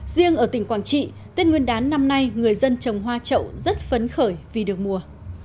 riêng ở tỉnh quảng trị tết nguyên đán năm nay người dân trồng hoa trậu rất phấn khởi vì được mùa